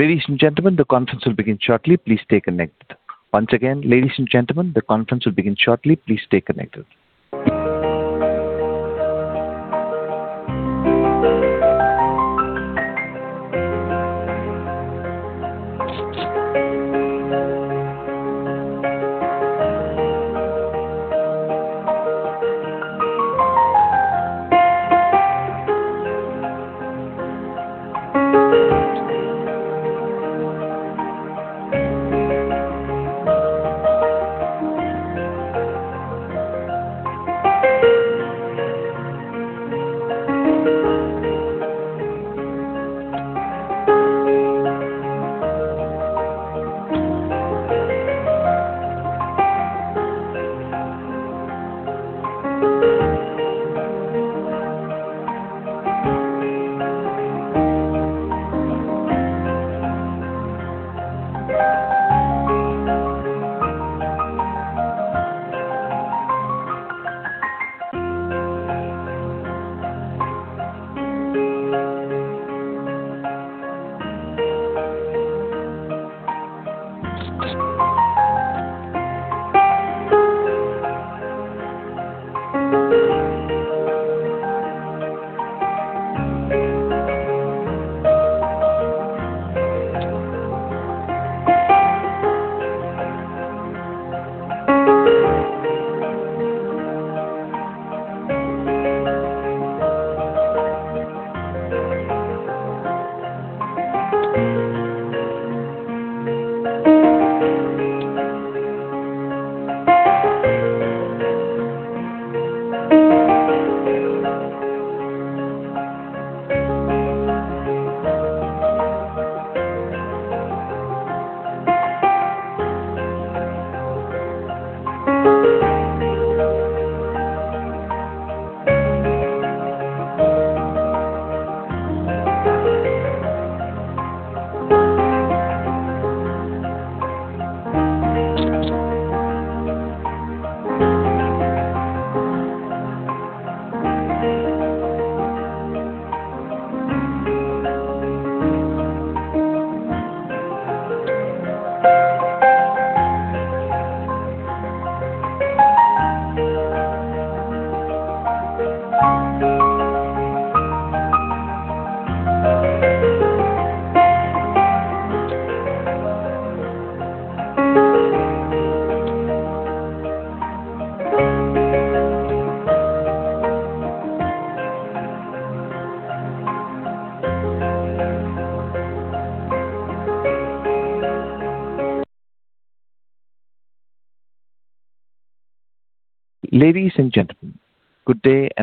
Ladies and gentlemen, good day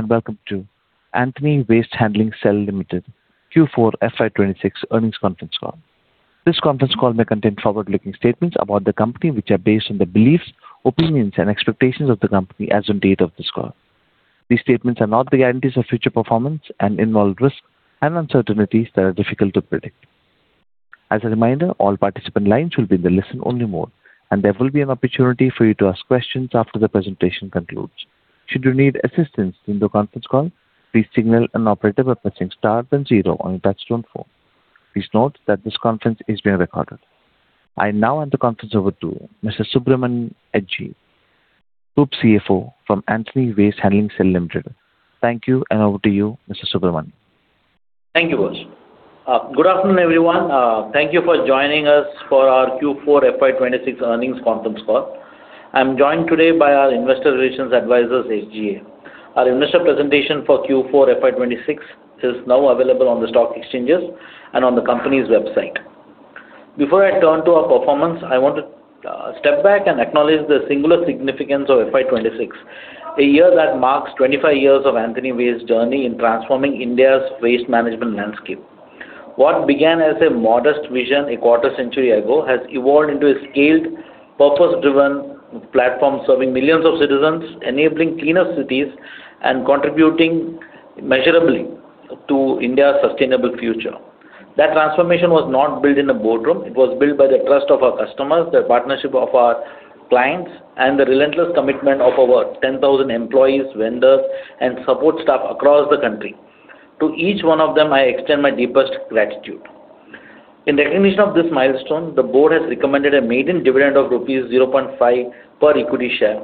and welcome to Antony Waste Handling Cell Limited Q4 FY 2026 earnings conference call. This conference call may contain forward-looking statements about the company, which are based on the beliefs, opinions, and expectations of the company as on date of this call. These statements are not guarantees of future performance and involve risks and uncertainties that are difficult to predict. As a reminder, all participant lines will be in the listen only mode, and there will be an opportunity for you to ask questions after the presentation concludes. Should you need assistance during the conference call, please signal an operator by pressing star then zero on your touchtone phone. Please note that this conference is being recorded. I now hand the conference over to Mr. Subramanian N.G., Group CFO from Antony Waste Handling Cell Limited. Thank you, and over to you, Mr. Subramanian. Thank you. Good afternoon, everyone. Thank you for joining us for our Q4 FY 2026 earnings conference call. I'm joined today by our investor relations advisors, SGA. Our investor presentation for Q4 FY 2026 is now available on the stock exchanges and on the company's website. Before I turn to our performance, I want to step back and acknowledge the singular significance of FY 2026, a year that marks 25 years of Antony Waste's journey in transforming India's waste management landscape. What began as a modest vision a quarter century ago has evolved into a scaled, purpose-driven platform serving millions of citizens, enabling cleaner cities, and contributing measurably to India's sustainable future. That transformation was not built in a boardroom. It was built by the trust of our customers, the partnership of our clients, and the relentless commitment of over 10,000 employees, vendors, and support staff across the country. To each one of them, I extend my deepest gratitude. In recognition of this milestone, the Board has recommended a maiden dividend of rupees 0.5 per equity share.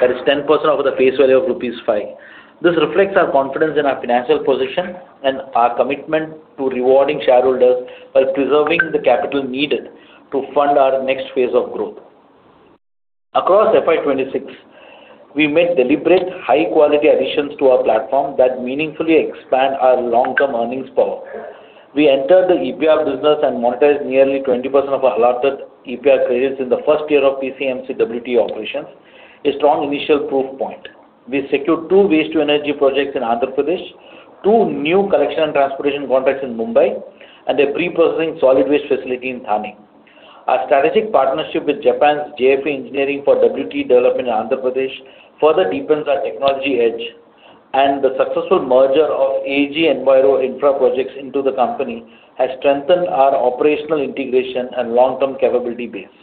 That is 10% of the face value of rupees 5. This reflects our confidence in our financial position and our commitment to rewarding shareholders while preserving the capital needed to fund our next phase of growth. Across FY 2026, we made deliberate high-quality additions to our platform that meaningfully expand our long-term earnings power. We entered the EPR business and monetized nearly 20% of our allotted EPR credits in the first year of PCMC WTE operations, a strong initial proof point. We secured two Waste-to-Energy projects in Andhra Pradesh, two new collection and transportation contracts in Mumbai, and a pre-processing solid waste facility in Thane. Our strategic partnership with Japan's JFE Engineering for WTE development in Andhra Pradesh further deepens our technology edge, and the successful merger of AG Enviro Infra Projects into the company has strengthened our operational integration and long-term capability base.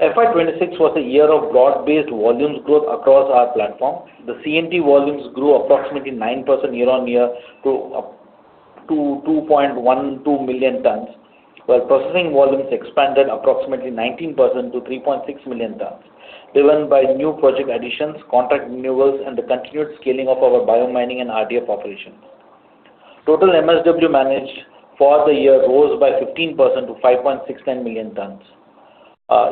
FY 2026 was a year of broad-based volumes growth across our platform. The C&T volumes grew approximately 9% year-on-year to 2.12 million tons, while processing volumes expanded approximately 19% to 3.6 million tons, driven by new project additions, contract renewals, and the continued scaling of our biomining and RDF operations. Total MSW managed for the year rose by 15% to 5.69 million tons.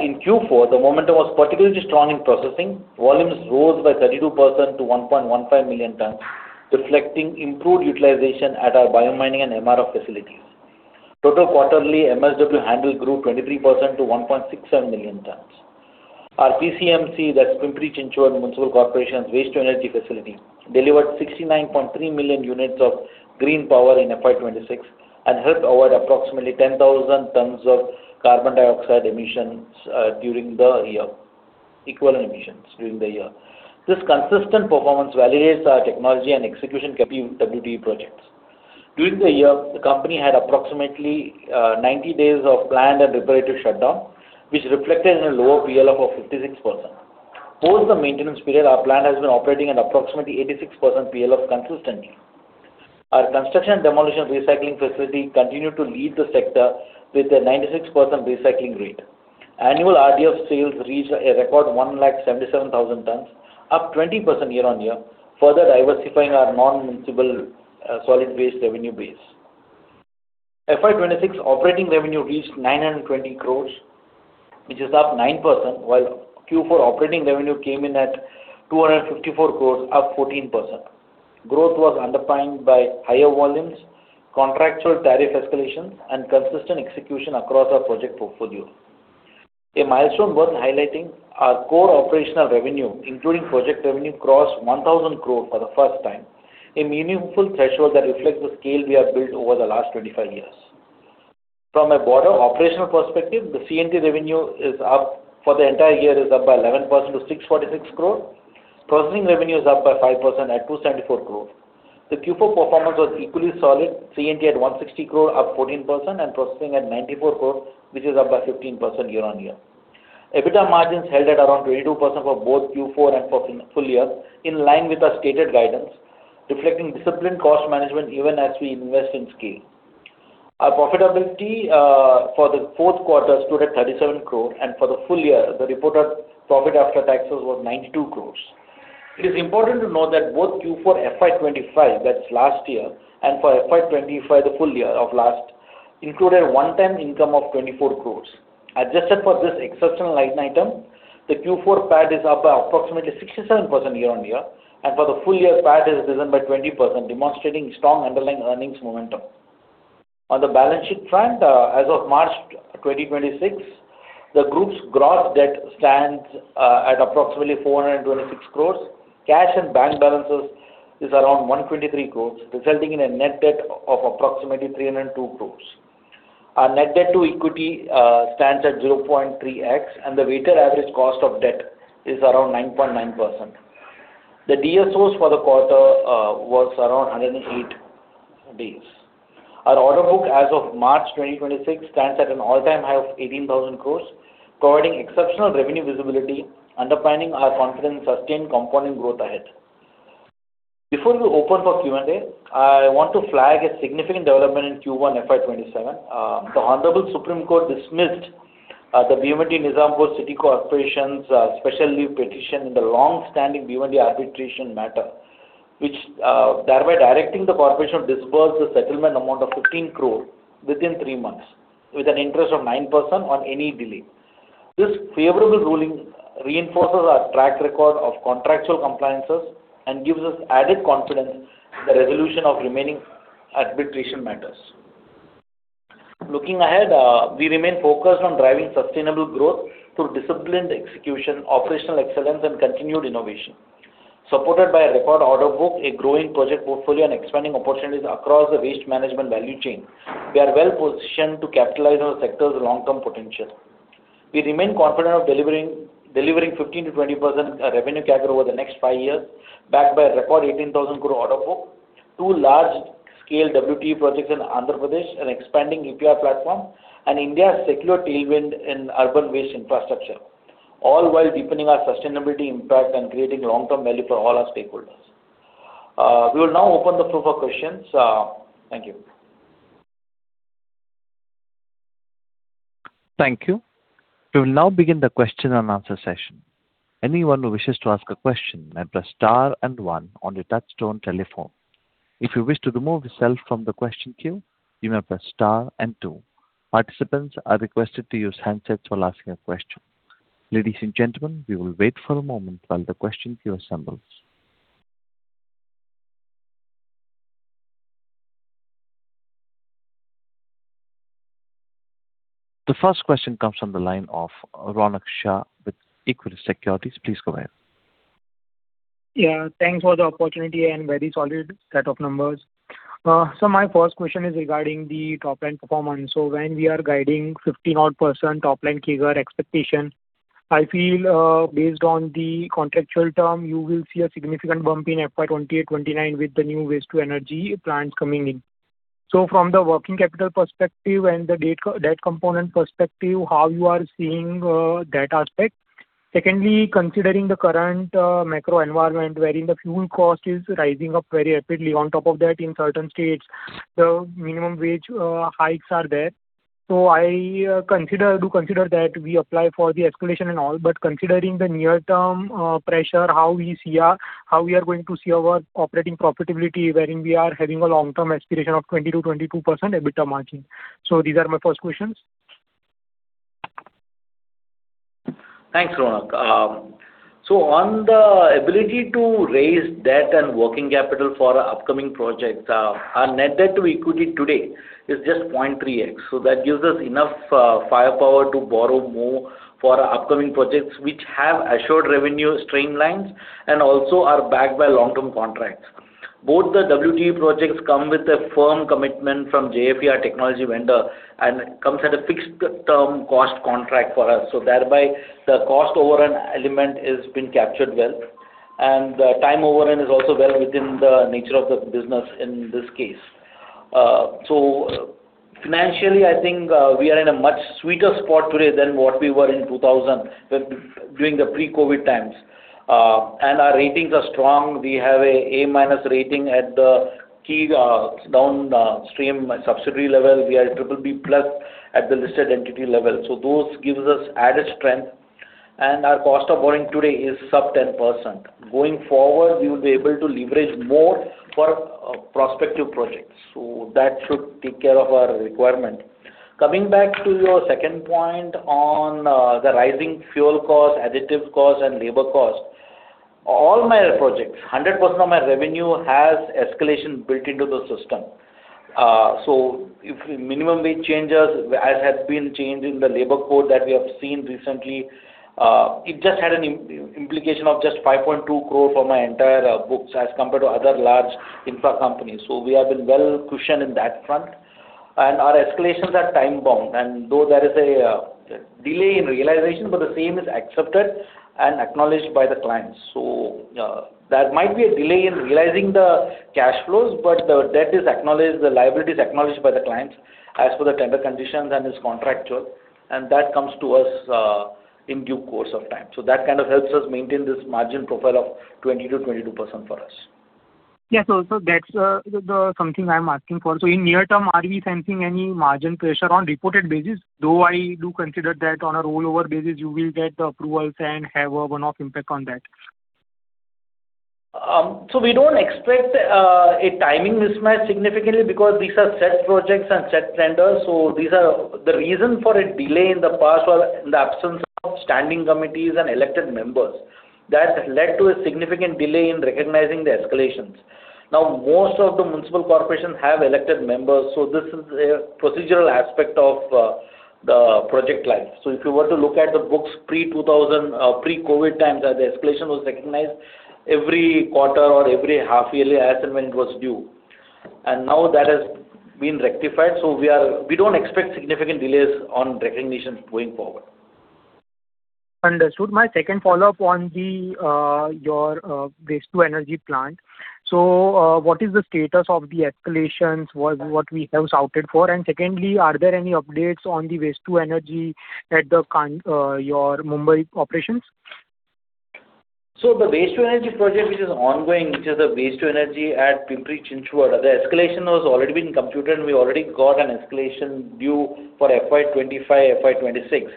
In Q4, the momentum was particularly strong in processing. Volumes rose by 32% to 1.15 million tons, reflecting improved utilization at our biomining and MRF facilities. Total quarterly MSW handled grew 23% to 1.67 million tons. Our PCMC, that's Pimpri-Chinchwad Municipal Corporation's waste-to-energy facility, delivered 69.3 million units of green power in FY 2026 and helped avoid approximately 10,000 tons of equivalent carbon dioxide emissions during the year. This consistent performance validates our technology and execution capability in WTE projects. During the year, the company had approximately 90 days of planned and reparative shutdown, which reflected in a lower PLF of 56%. Post the maintenance period, our plant has been operating at approximately 86% PLF consistently. Our construction and demolition recycling facility continued to lead the sector with a 96% recycling rate. Annual RDF sales reached a record 177,000 tons, up 20% year-on-year, further diversifying our non-municipal solid waste revenue base. FY 2026 operating revenue reached 920 crore, which is up 9%, while Q4 operating revenue came in at 254 crore, up 14%. Growth was underpinned by higher volumes, contractual tariff escalations, and consistent execution across our project portfolio. A milestone worth highlighting, our core operational revenue, including project revenue, crossed 1,000 crore for the first time, a meaningful threshold that reflects the scale we have built over the last 25 years. From a broader operational perspective, the C&T revenue for the entire year is up by 11% to 646 crore. Processing revenue is up by 5% at 274 crore. The Q4 performance was equally solid, C&T at 160 crore, up 14%, and processing at 94 crore, which is up by 15% year-on-year. EBITDA margins held at around 22% for both Q4 and for full year, in line with our stated guidance, reflecting disciplined cost management even as we invest in scale. Our profitability for the fourth quarter stood at 37 crore, and for the full year, the reported profit after taxes was 92 crore. It is important to note that both Q4 FY 2025, that's last year, and for FY 2025, the full year of last, included one-time income of 24 crore. Adjusted for `this exceptional line item, the Q4 PAT is up by approximately 67% year-on-year, and for the full year, PAT has risen by 20%, demonstrating strong underlying earnings momentum. On the balance sheet front, as of March 2026, the group's gross debt stands at approximately 426 crore. Cash and bank balances is around 123 crore, resulting in a net debt of approximately 302 crore. Our net debt to equity stands at 0.3x, and the weighted average cost of debt is around 9.9%. The DSOs for the quarter was around 108 days. Our order book as of March 2026 stands at an all-time high of 18,000 crore, providing exceptional revenue visibility, underpinning our confidence in sustained compounding growth ahead. Before we open for Q&A, I want to flag a significant development in Q1 FY 2027. The Honorable Supreme Court dismissed the Bhiwandi Nizampur City Corporation's special leave petition in the longstanding Bhiwandi arbitration matter, thereby directing the corporation to disburse the settlement amount of 15 crore within three months with an interest of 9% on any delay. This favorable ruling reinforces our track record of contractual compliances and gives us added confidence in the resolution of remaining arbitration matters. Looking ahead, we remain focused on driving sustainable growth through disciplined execution, operational excellence, and continued innovation. Supported by a record order book, a growing project portfolio, and expanding opportunities across the waste management value chain, we are well-positioned to capitalize on the sector's long-term potential. We remain confident of delivering 15%-20% revenue CAGR over the next five years, backed by a record 18,000 crore order book, two large-scale WTE projects in Andhra Pradesh, an expanding EPR platform, and India's secular tailwind in urban waste infrastructure, all while deepening our sustainability impact and creating long-term value for all our stakeholders. We will now open the floor for questions. Thank you. Thank you. We will now begin the question-and-answer session. Anyone who wishes to ask a question may press star and one on your touchtone telephone. If you wish to remove yourself from the question queue, you may press star and two. Participants are requested to use handsets while asking a question. Ladies and gentlemen, we will wait for a moment while the question queue assembles. The first question comes from the line of Ronak Shah with Equirus Securities. Please go ahead. Yeah. Thanks for the opportunity and very solid set of numbers. My first question is regarding the top-line performance. When we are guiding 15-odd% top-line CAGR expectation, I feel, based on the contractual term, you will see a significant bump in FY 2028, 2029 with the new waste-to-energy plants coming in. From the working capital perspective and the debt component perspective, how you are seeing that aspect? Secondly, considering the current macro environment, wherein the fuel cost is rising up very rapidly. On top of that, in certain states, the minimum wage hikes are there. I do consider that we apply for the escalation and all. Considering the near-term pressure, how we are going to see our operating profitability, wherein we are having a long-term aspiration of 20%-22% EBITDA margin. These are my first questions. Thanks, Ronak. On the ability to raise debt and working capital for our upcoming projects, our net debt to equity today is just 0.3X. That gives us enough firepower to borrow more for our upcoming projects, which have assured revenue streamlines and also are backed by long-term contracts. Both the WTE projects come with a firm commitment from JFE, our technology vendor, and it comes at a fixed-term cost contract for us. Thereby, the cost overrun element has been captured well, and the time overrun is also well within the nature of the business in this case. Financially, I think we are in a much sweeter spot today than what we were in during the pre-COVID times. Our ratings are strong. We have an A- rating at the key downstream subsidiary level. We are BBB- at the listed entity level. Those give us added strength, and our cost of borrowing today is sub 10%. Going forward, we will be able to leverage more for prospective projects. That should take care of our requirement. Coming back to your second point on the rising fuel cost, additive cost, and labor cost. All my projects, 100% of my revenue has escalation built into the system. If minimum wage changes, as has been changed in the labor code that we have seen recently, it just had an implication of just 5.2 crore for my entire books as compared to other large infra companies. We have been well cushioned on that front. Our escalations are time bound, and though there is a delay in realization, but the same is accepted and acknowledged by the clients. There might be a delay in realizing the cash flows, but the debt is acknowledged, the liability is acknowledged by the clients as per the tender conditions and is contractual, and that comes to us in due course of time. That kind of helps us maintain this margin profile of 20%-22% for us. Yes. Also, that's something I'm asking for. In the near term, are we sensing any margin pressure on reported basis? Though I do consider that on a rollover basis, you will get the approvals and have a one-off impact on that. We don't expect a timing mismatch significantly because these are set projects and set tenders. The reason for a delay in the past was the absence of standing committees and elected members. That led to a significant delay in recognizing the escalations. Now, most of the municipal corporations have elected members, so this is a procedural aspect of the project life. If you were to look at the books pre-COVID times, the escalation was recognized every quarter or every half yearly as and when it was due. Now that has been rectified, so we don't expect significant delays on recognitions going forward. Understood. My second follow-up on your waste to energy plant. What is the status of the escalations, what we have touted for? Secondly, are there any updates on the waste to energy at your Mumbai operations? The Waste-to-Energy project, which is ongoing, which is a Waste-to-Energy at Pimpri-Chinchwad. The escalation has already been computed, and we already got an escalation due for FY 2025, FY 2026.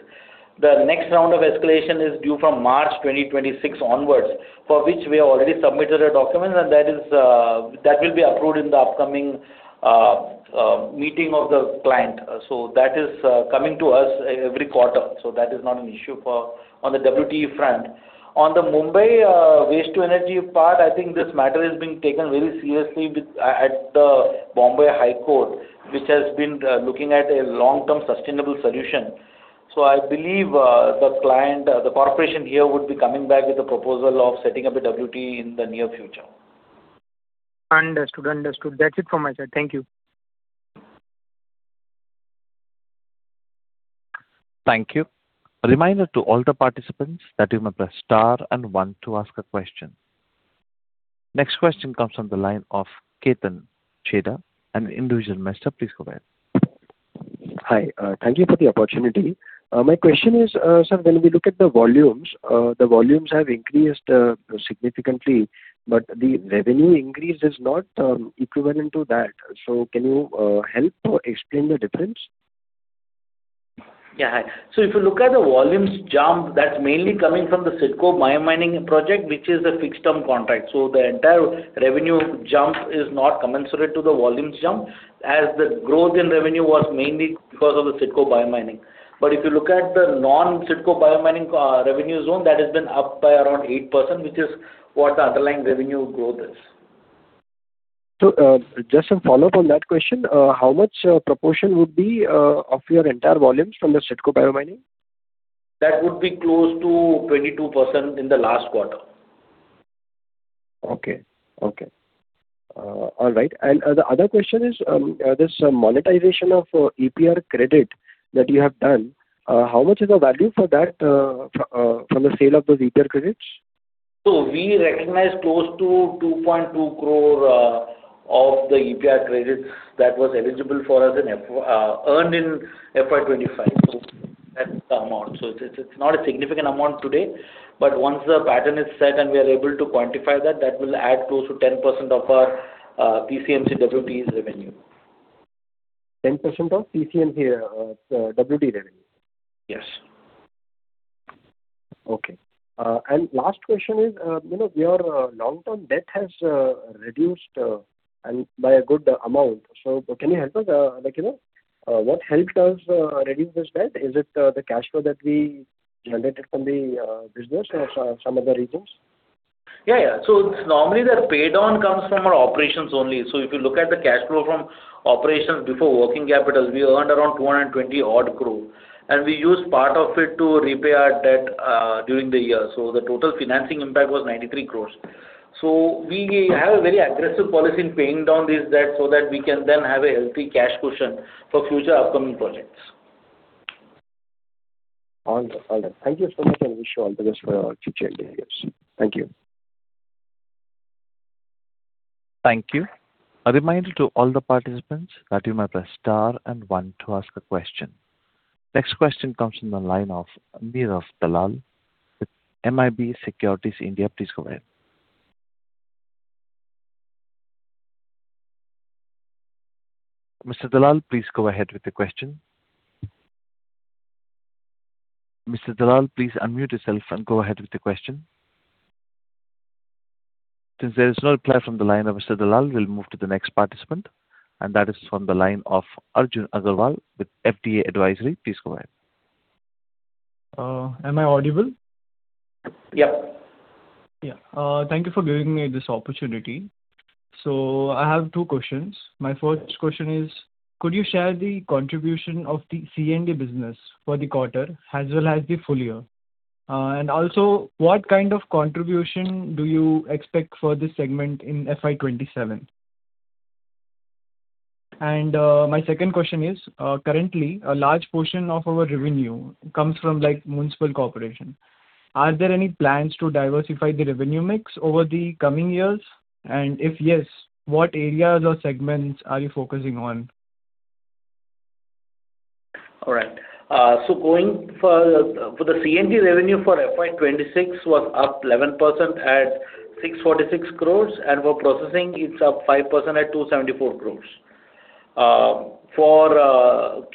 The next round of escalation is due from March 2026 onwards, for which we have already submitted our documents, and that will be approved in the upcoming meeting of the client. That is coming to us every quarter. That is not an issue on the WTE front. On the Mumbai Waste-to-Energy part, I think this matter is being taken very seriously at the Bombay High Court, which has been looking at a long-term sustainable solution. I believe the corporation here would be coming back with a proposal of setting up a WTE in the near future. Understood. That's it from my side. Thank you. Thank you. A reminder to all the participants that you may press star and one to ask a question. Next question comes from the line of Ketan Chheda. An individual investor, please go ahead. Hi. Thank you for the opportunity. My question is, sir, when we look at the volumes, the volumes have increased significantly, but the revenue increase is not equivalent to that. Can you help explain the difference? If you look at the volumes jump, that's mainly coming from the CIDCO biomining project, which is a fixed-term contract. The entire revenue jump is not commensurate to the volumes jump, as the growth in revenue was mainly because of the CIDCO biomining. If you look at the non-CIDCO biomining revenue zone, that has been up by around 8%, which is what the underlying revenue growth is. Just a follow-up on that question. How much proportion would be of your entire volumes from the CIDCO biomining? That would be close to 22% in the last quarter. Okay. All right. The other question is, this monetization of EPR credit that you have done, how much is the value for that from the sale of those EPR credits? We recognized close to 2.2 crore of the EPR credits that was eligible for us, earned in FY 2025. That's the amount. It's not a significant amount today, but once the pattern is set and we are able to quantify that will add close to 10% of our PCMC WTE's revenue. 10% of PCMC WTE revenue? Yes. Okay. Last question is, your long-term debt has reduced by a good amount. Can you help us? What helped us reduce this debt? Is it the cash flow that we generated from the business or some other reasons? Normally the pay-down comes from our operations only. If you look at the cash flow from operations before working capital, we earned around 220 odd crore, and we used part of it to repay our debt during the year. The total financing impact was 93 crore. We have a very aggressive policy in paying down this debt so that we can then have a healthy cash cushion for future upcoming projects. All right. Thank you so much, and wish you all the best for your future endeavors. Thank you. Thank you. A reminder to all the participants that you may press star and one to ask a question. Next question comes from the line of Neerav Dalal with MIB Securities India. Please go ahead. Mr. Dalal, please go ahead with the question. Mr. Dalal, please unmute yourself and go ahead with the question. Since there is no reply from the line of Mr. Dalal, we will move to the next participant, and that is from the line of Arjun Agarwal with FDA Advisory. Please go ahead. Am I audible? Yep. Yeah. Thank you for giving me this opportunity. I have two questions. My first question is, could you share the contribution of the C&D business for the quarter as well as the full year? Also, what kind of contribution do you expect for this segment in FY 2027? My second question is, currently, a large portion of our revenue comes from municipal corporation. Are there any plans to diversify the revenue mix over the coming years? If yes, what areas or segments are you focusing on? All right. The C&D revenue for FY 2026 was up 11% at 646 crore, and for processing it's up 5% at 274 crore. For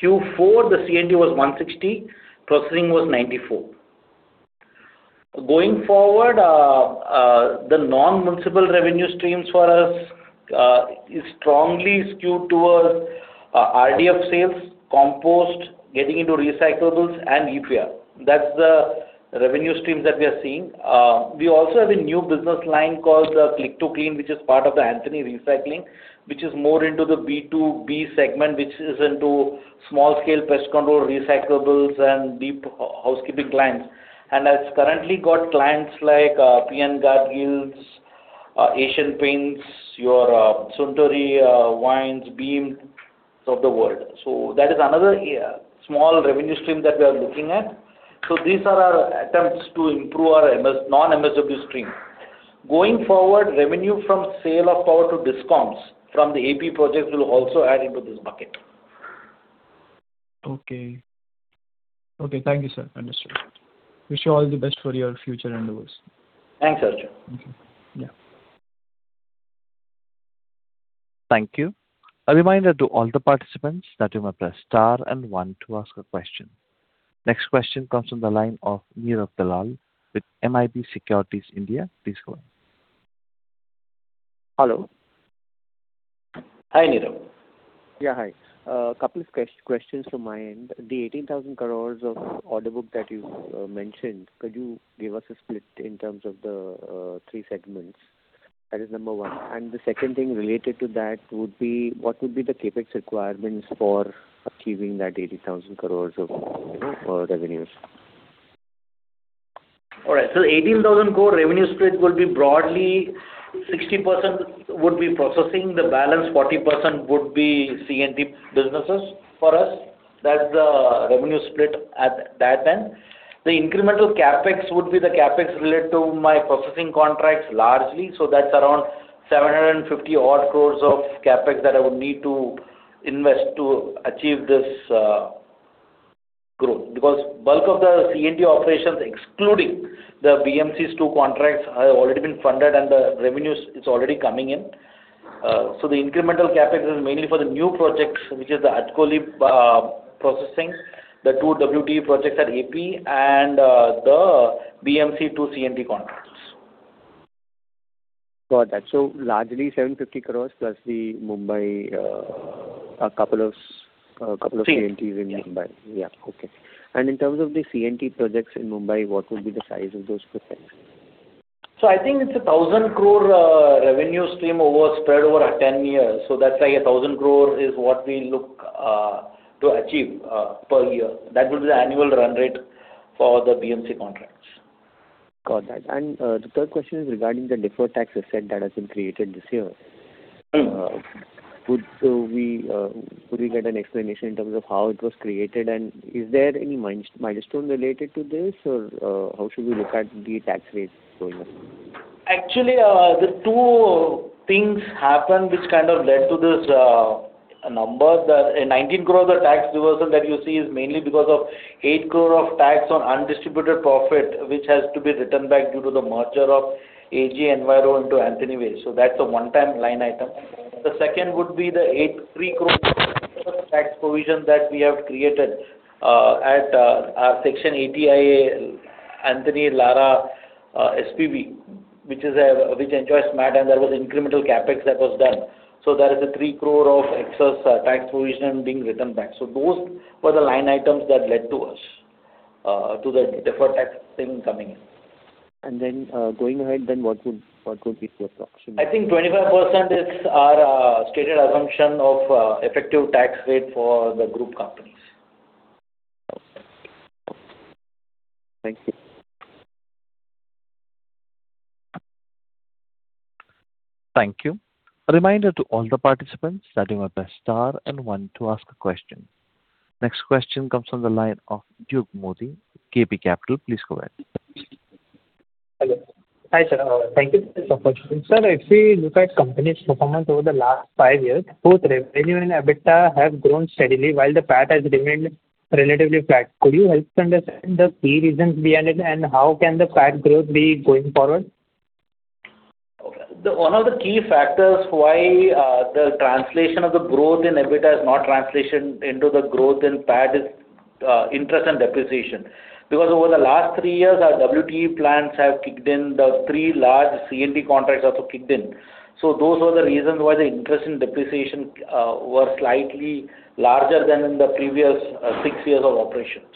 Q4, the C&D was 160, processing was 94. Going forward, the non-municipal revenue streams for us is strongly skewed towards RDF sales, compost, getting into recyclables, and EPR. That's the revenue stream that we are seeing. We also have a new business line called Click2Clean, which is part of the Antony Recycling, which is more into the B2B segment, which is into small-scale pest control, recyclables, and deep housekeeping clients. Has currently got clients like P. N. Gadgil, Asian Paints, your Suntory wines, Beam Suntory. That is another small revenue stream that we are looking at. These are our attempts to improve our non-MSW stream. Going forward, revenue from sale of power to DISCOMs from the AP projects will also add into this bucket. Okay. Thank you, sir. Understood. Wish you all the best for your future endeavors. Thanks, Arjun. Okay. Yeah. Thank you. A reminder to all the participants that you may press star and one to ask a question. Next question comes from the line of Neerav Dalal with MIB Securities India. Please go ahead. Hello. Hi, Neerav. Yeah, hi. A couple of questions from my end. The 18,000 crore of order book that you mentioned, could you give us a split in terms of the three segments? That is number one. The second thing related to that would be, what would be the CapEx requirements for achieving that 18,000 crore of revenues? 18,000 crore revenue split will be broadly 60% would be processing, the balance 40% would be C&D businesses for us. That's the revenue split at that end. The incremental CapEx would be the CapEx related to my processing contracts largely. That's around 750 odd crore of CapEx that I would need to invest to achieve this growth, because bulk of the C&D operations, excluding the BMC's two contracts, have already been funded and the revenues is already coming in. The incremental CapEx is mainly for the new projects, which is the [Hadveli] processing, the two WTE projects at AP and the BMC two C&D contracts. Got that. Largely 750 crore plus a couple of C&Ts in Mumbai. Yeah. Yeah. Okay. In terms of the C&T projects in Mumbai, what would be the size of those projects? I think it's a 1,000 crore revenue stream spread over 10 years. That's why a 1,000 crore is what we look to achieve per year. That will be the annual run rate for the BMC contracts. Got that. The third question is regarding the deferred tax asset that has been created this year. Could we get an explanation in terms of how it was created? Is there any milestone related to this? How should we look at the tax rates going up? Actually, the two things happened, which kind of led to this number. The 19 crore of tax reversal that you see is mainly because of 8 crore of tax on undistributed profit, which has to be returned back due to the merger of AG Enviro into Antony Waste. That's a one-time line item. The second would be the 3 crore tax provision that we have created at our Section 80-IA, Antony Lara SPV, which enjoys MAT and there was incremental CapEx that was done. There is a 3 crore of excess tax provision being returned back. Those were the line items that led to the deferred tax thing coming in. Going ahead, then what would be the approximation? I think 25% is our stated assumption of effective tax rate for the group companies. Okay. Thank you. Thank you. A reminder to all the participants that you must press star and one to ask a question. Next question comes from the line of [Jug Moody], KP Capital. Please go ahead. Hello. Hi, sir. Thank you. Sir, if we look at company's performance over the last five years, both revenue and EBITDA have grown steadily while the PAT has remained relatively flat. Could you help understand the key reasons behind it and how can the PAT growth be going forward? One of the key factors why the translation of the growth in EBITDA is not translation into the growth in PAT is interest and depreciation. Over the last three years, our WTE plants have kicked in, the three large C&D contracts also kicked in. Those were the reasons why the interest and depreciation were slightly larger than in the previous six years of operations.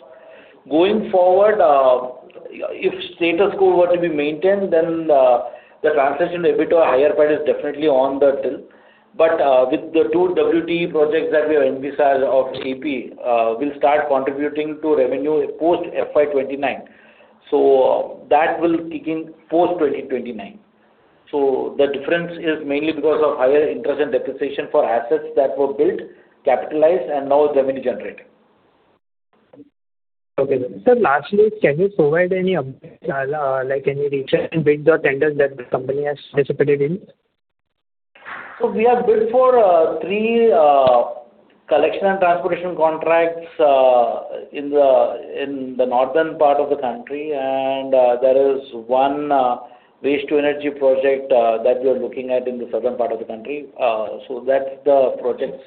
Going forward, if status quo were to be maintained, the translation EBITDA higher PAT is definitely on the till. With the two WTE projects that we have envisaged of KP will start contributing to revenue post FY 2029. That will kick in post 2029. The difference is mainly because of higher interest and depreciation for assets that were built, capitalized, and now revenue generating. Okay. Sir, lastly, can you provide any like any recent bid or tender that the company has participated in? We have bid for three collection and transportation contracts in the northern part of the country. There is one waste to energy project that we are looking at in the southern part of the country. That's the projects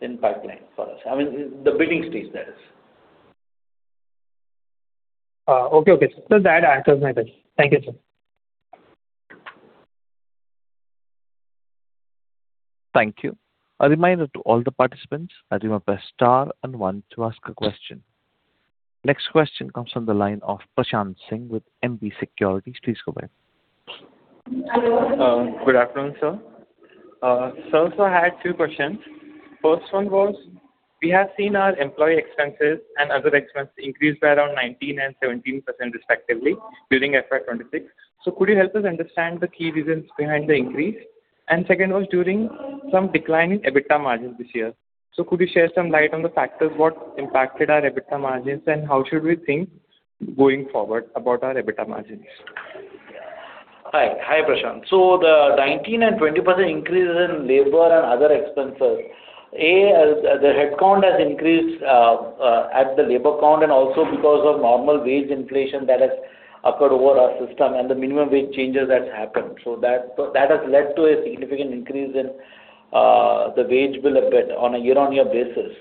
in pipeline for us. I mean, the bidding stage that is. Okay. Sir, that answers my question. Thank you, sir. Thank you. A reminder to all participants press star and one to ask a question. Next question comes from the line of Prashant Singh with MB Securities. Please go ahead. Hello. Good afternoon, sir. Sir, I had two questions. First one was, we have seen our employee expenses and other expenses increase by around 19% and 17% respectively during FY 2026. Could you help us understand the key reasons behind the increase? Second was during some decline in EBITDA margins this year. Could you share some light on the factors what impacted our EBITDA margins and how should we think going forward about our EBITDA margins? Hi, Prashant. The 19% and 20% increase is in labor and other expenses. The headcount has increased at the labor count and also because of normal wage inflation that has occurred over our system and the minimum wage changes that's happened. That has led to a significant increase in the wage bill a bit on a year-on-year basis.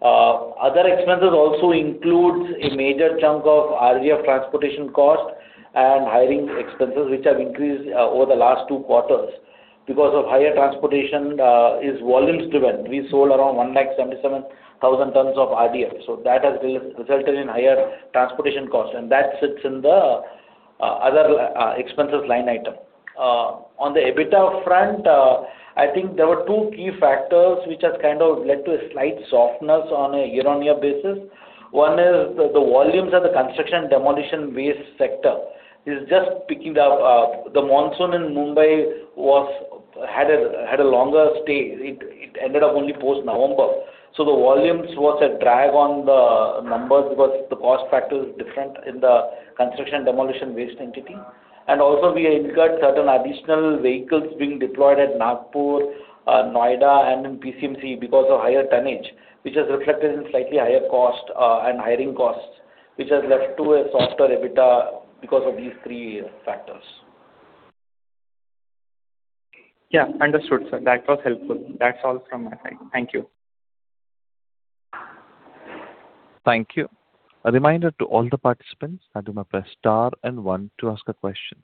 Other expenses also includes a major chunk of RDF transportation cost and hiring expenses, which have increased over the last two quarters because of higher transportation is volumes driven. We sold around 177,000 tons of RDF, so that has resulted in higher transportation costs, and that sits in the other expenses line item. On the EBITDA front, I think there were two key factors which has kind of led to a slight softness on a year-on-year basis. One is the volumes of the construction demolition waste sector is just picking up. The monsoon in Mumbai had a longer stay. It ended up only post-November. The volumes was a drag on the numbers because the cost factor is different in the construction demolition waste entity. Also we incurred certain additional vehicles being deployed at Nagpur, Noida and in PCMC because of higher tonnage, which has reflected in slightly higher cost and hiring costs, which has led to a softer EBITDA because of these three factors. Yeah, understood, sir. That was helpful. That's all from my side. Thank you. Thank you. A reminder to all the participants that you must press Star and one to ask a question.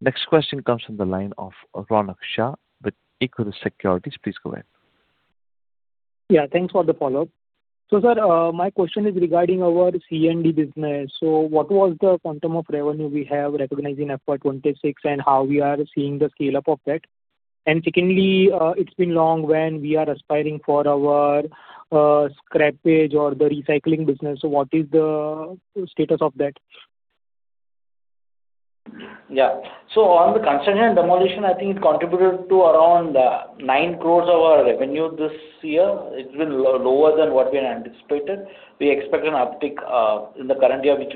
Next question comes from the line of Ronak Shah with Equirus Securities. Please go ahead. Yeah, thanks for the follow-up. Sir, my question is regarding our C&D business. What was the quantum of revenue we have recognized in FY 2026 and how we are seeing the scale-up of that? Secondly, it's been long when we are aspiring for our scrappage or the recycling business. What is the status of that? Yeah. On the construction and demolition, I think it contributed to around 9 crore of our revenue this year. It's been lower than what we had anticipated. We expect an uptick in the current year, which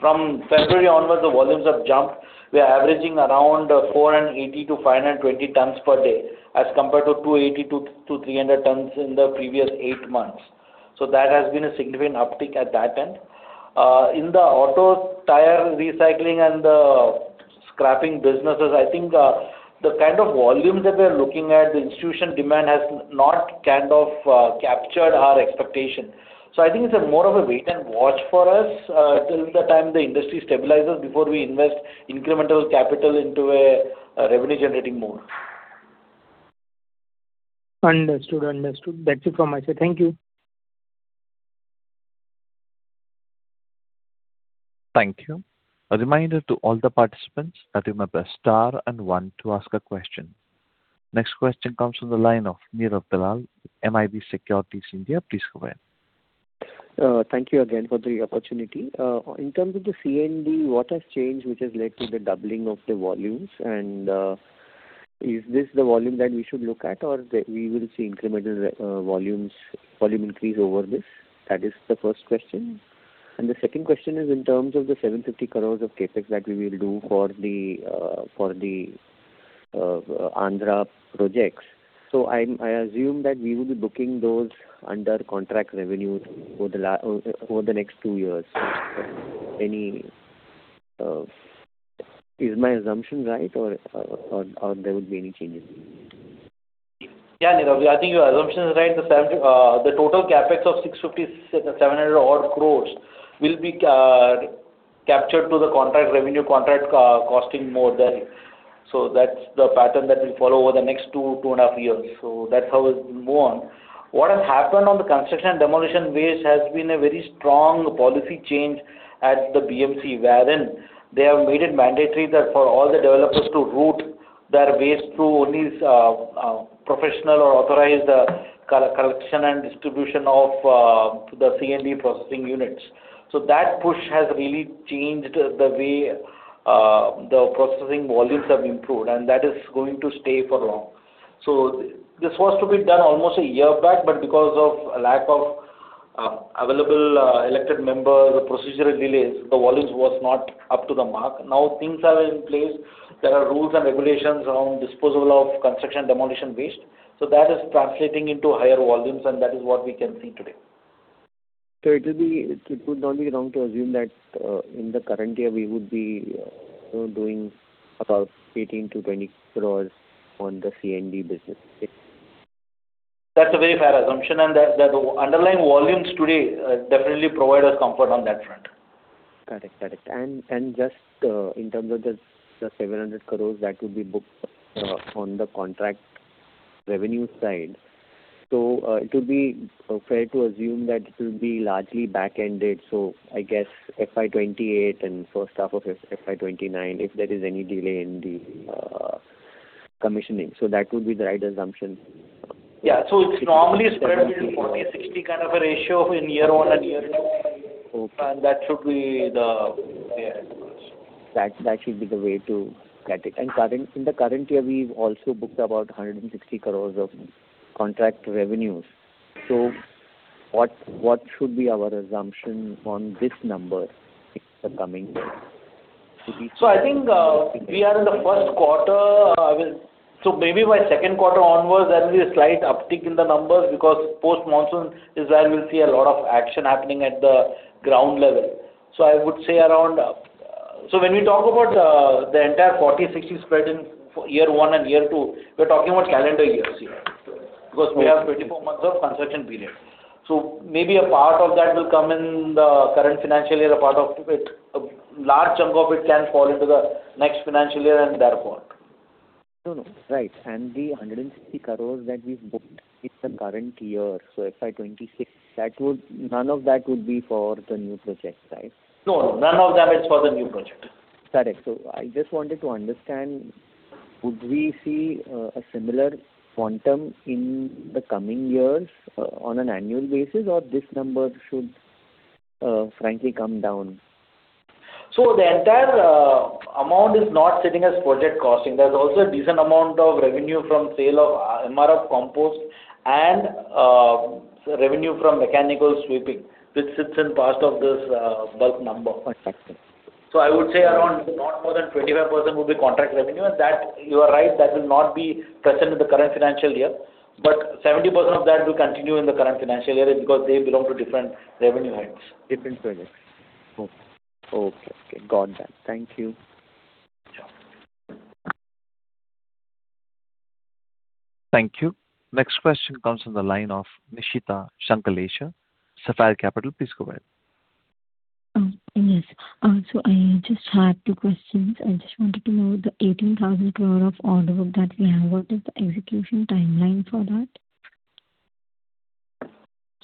from February onwards, the volumes have jumped. We are averaging around 480 tons-520 tons per day as compared to 280 tons-300 tons in the previous eight months. That has been a significant uptick at that end. In the auto tire recycling and the scrapping businesses, I think the kind of volumes that we're looking at, the institution demand has not kind of captured our expectation. I think it's more of a wait and watch for us till the time the industry stabilizes before we invest incremental capital into a revenue generating mode. Understood. That's it from my side. Thank you. Thank you. A reminder to all the participants that you may press star and one to ask a question. Next question comes from the line of Neerav Dalal, MIB Securities India. Please go ahead. Thank you again for the opportunity. In terms of the C&D, what has changed, which has led to the doubling of the volumes, and is this the volume that we should look at or we will see incremental volume increase over this? That is the first question. The second question is in terms of the 750 crore of CapEx that we will do for the Andhra projects. I assume that we will be booking those under contract revenue over the next two years. Is my assumption right, or there would be any changes? Yeah, Neerav, I think your assumption is right. The total CapEx of 650 odd crore-INR 700 odd crore will be captured to the contract revenue, contract costing model. That's the pattern that will follow over the next two and a half years. That's how it will move on. What has happened on the construction and demolition waste has been a very strong policy change at the BMC, wherein they have made it mandatory that for all the developers to route their waste through only professional or authorized collection and distribution of the C&D processing units. That push has really changed the way the processing volumes have improved, and that is going to stay for long. This was to be done almost a year back, but because of lack of available elected members, procedural delays, the volumes was not up to the mark. Now things are in place. There are rules and regulations around disposal of construction, demolition waste. That is translating into higher volumes, and that is what we can see today. It would not be wrong to assume that in the current year, we would be doing about 18 crore-20 crore on the C&D business. That's a very fair assumption, and the underlying volumes today definitely provide us comfort on that front. Correct. Just in terms of the 700 crore that will be booked on the contract revenue side. It will be fair to assume that it will be largely backended. I guess FY 2028 and first half of FY 2029, if there is any delay in the commissioning. That would be the right assumption. Yeah. It's normally spread in 40%-60% kind of a ratio in year one and year two. Okay. That should be the fair approach. That should be the way to get it. In the current year, we've also booked about 160 crore of contract revenues. What should be our assumption on this number in the coming years? I think we are in the first quarter. Maybe by second quarter onwards, there will be a slight uptick in the numbers because post-monsoon is where we'll see a lot of action happening at the ground level. When we talk about the entire 40%-60% spread in year one and year two, we're talking about calendar years here because we have 24 months of construction period. Maybe a part of that will come in the current financial year, a large chunk of it can fall into the next financial year and thereafter. No, right. The 160 crore that we've booked in the current year, so FY 2026, none of that would be for the new project, right? No, none of that is for the new project. Correct. I just wanted to understand, would we see a similar quantum in the coming years on an annual basis, or this number should frankly come down? The entire amount is not sitting as project costing. There's also a decent amount of revenue from sale of MRF compost and revenue from mechanical sweeping, which sits in part of this bulk number. Perfect. I would say around not more than 25% will be contract revenue and you are right, that will not be present in the current financial year, but 70% of that will continue in the current financial year because they belong to different revenue heads. Different projects. Okay. Got that. Thank you. Sure. Thank you. Next question comes from the line of Nishita Shanklesha, Sapphire Capital. Please go ahead. Yes. I just had two questions. I just wanted to know the 18,000 crore of order book that we have. What is the execution timeline for that?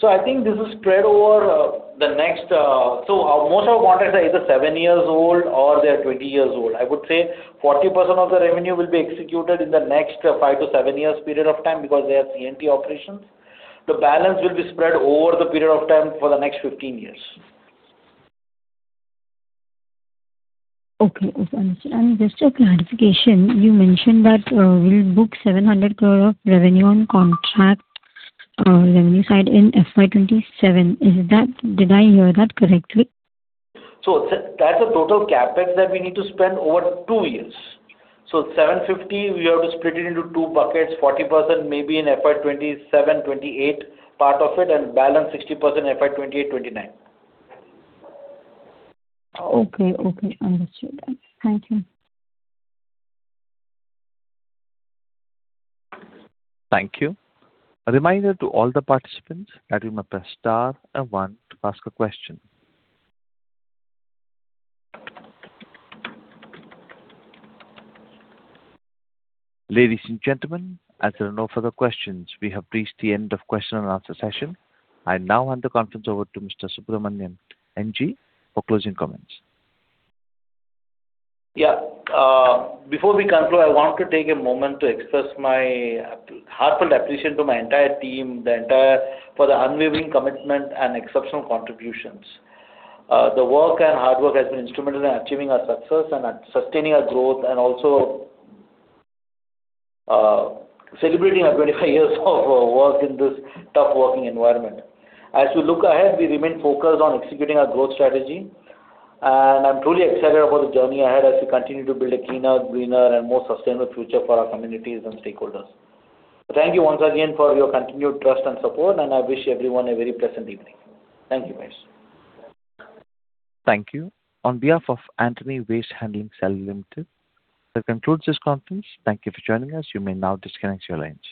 So I think this is--the next-- Most of our contracts are either seven years old or they're 20 years old. I would say 40% of the revenue will be executed in the next five to seven years period of time because they are C&T operations. The balance will be spread over the period of time for the next 15 years. Okay. Understood. Just a clarification, you mentioned that we'll book 700 crore of revenue on contract revenue side in FY 2027. Did I hear that correctly? That's the total CapEx that we need to spend over two years. 750, we have to split it into two buckets, 40% may be in FY 2027-2028, part of it, and balance 60% FY 2028-2029. Okay. Understood that. Thank you. Thank you. Reminder to all participants you need to press star one to ask a question. Ladies and gentlemen, as there are no further questions, we have reached the end of question-and-answer session. I now hand the conference over to Mr. Subramanian N.G. for closing comments. Yeah. Before we conclude, I want to take a moment to express my heartfelt appreciation to my entire team for their unwavering commitment and exceptional contributions. The work and hard work has been instrumental in achieving our success and sustaining our growth and also celebrating our 25 years of work in this tough working environment. As we look ahead, we remain focused on executing our growth strategy, and I'm truly excited about the journey ahead as we continue to build a cleaner, greener and more sustainable future for our communities and stakeholders. Thank you once again for your continued trust and support, and I wish everyone a very pleasant evening. Thank you very much. Thank you. On behalf of Antony Waste Handling Cell Limited, that concludes this conference. Thank you for joining us. You may now disconnect your lines.